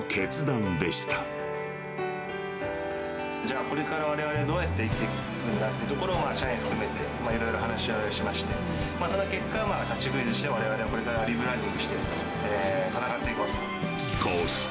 じゃあ、これからわれわれ、どうやって生きていくんだってところを社員含めていろいろ話し合いをしまして、その結果、立ち食いずしをわれわれ、これからリブランディングして、闘っていこうと。